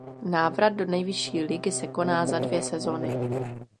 Návrat do nejvyšší ligy se koná za dvě sezony.